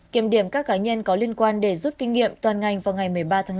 kiểm điểm các cá nhân có liên quan để rút kinh nghiệm toàn ngành vào ngày một mươi ba tháng bốn